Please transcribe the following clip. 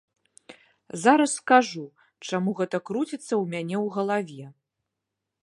Зараз скажу, чаму гэта круціцца ў мяне ў галаве.